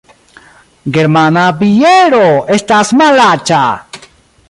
Germana biero estas malaĉa